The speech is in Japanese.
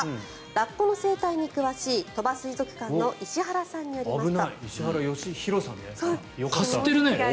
ラッコの生態に詳しい鳥羽水族館の石原さんによりますと。